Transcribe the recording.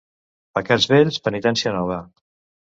Pecats vells, penitència nova.